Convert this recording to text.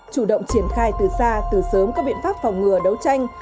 chủ động triển khai từ xa từ sớm các biện pháp phòng ngừa đấu tranh